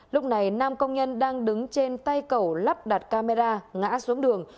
lúc này nam công nhân đang đứng trên tay cầu lắp đặt camera ngã xuống đường